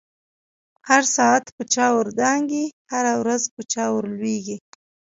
هر ساعت په چاور دانگی، هره ورځ په چا ورلویږی